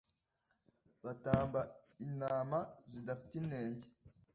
batamba intama zidafite inenge